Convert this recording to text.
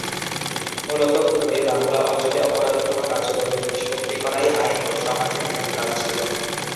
মূলত পূর্বে বাংলা অঞ্চলে অপরাধমূলক আচরণের নিষ্পত্তি করাই আইন ও সমাজের মূল কাজ ছিল।